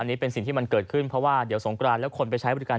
อันนี้เป็นสิ่งที่มันเกิดขึ้นเพราะว่าเดี๋ยวสงกรานแล้วคนไปใช้บริการ